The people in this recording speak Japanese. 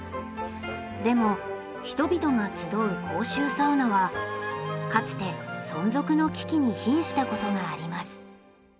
でも人々が集う公衆サウナはかつて存続の危機にひんしたことがあります。